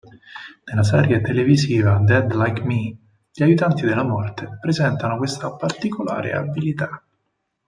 Nella serie televisiva "Dead Like Me" gli aiutanti della morte presentano questa particolare abilità.